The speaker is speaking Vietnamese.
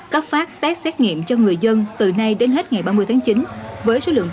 cấp phát test xét nghiệm cho người dân từ nay đến hết ngày ba mươi tháng chín với số lượng bổ sung là một người